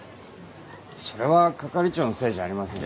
それは係長のせいじゃありませんよ。